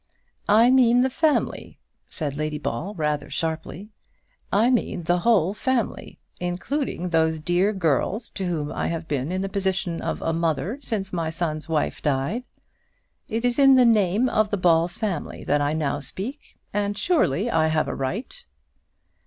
"I mean the family," said Lady Ball rather sharply. "I mean the whole family, including those dear girls to whom I have been in the position of a mother since my son's wife died. It is in the name of the Ball family that I now speak, and surely I have a right."